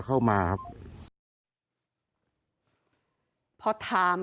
จะจับครับ